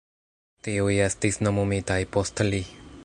Tiuj estis nomumitaj post li.